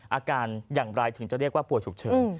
อาการอย่างไรถึงจะเรียกว่าป่วยฉุกเฉิน